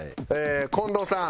近藤さん。